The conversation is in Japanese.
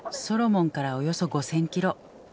ソロモンからおよそ５０００キロ。